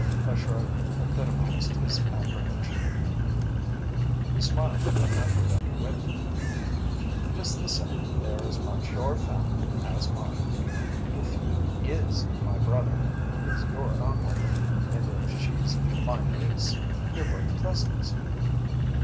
A shrug epitomised his apprehension. He smiled with an effort at wit. "Just the same, they're as much your family as mine. If he is my brother, he is your uncle. And if she's my niece, you're both cousins."